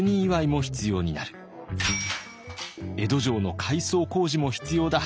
江戸城の改装工事も必要だ。